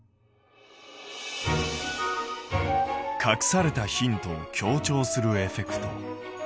隠されたヒントを強調するエフェクト。